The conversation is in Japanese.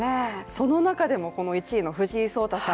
その中でも、１位の藤井聡太さん。